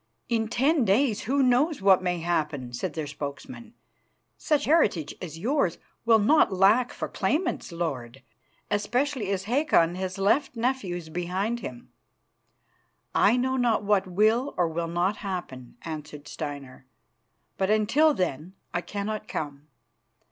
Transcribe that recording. In ten days who knows what may happen?" said their spokesman. "Such a heritage as yours will not lack for claimants, Lord, especially as Hakon has left nephews behind him." "I know not what will or will not happen," answered Steinar, "but until then I cannot come.